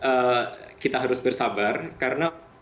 karena untuk vaksin ini kita harus benar benar mencari